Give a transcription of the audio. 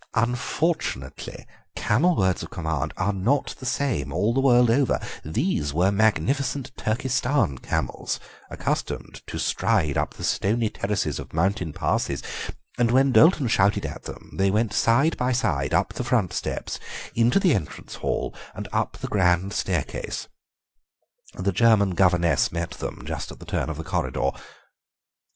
Unfortunately camel words of command are not the same all the world over; these were magnificent Turkestan camels, accustomed to stride up the stony terraces of mountain passes, and when Doulton shouted at them they went side by side up the front steps, into the entrance hall, and up the grand staircase. The German governess met them just at the turn of the corridor.